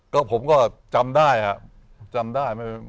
ก็ผมก็จำได้อ่ะจำได้ไม่มี